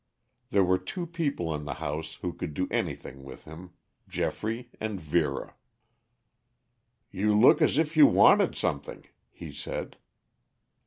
There were two people in the house who could do anything with him Geoffrey and Vera. "You look as if you wanted something," he said.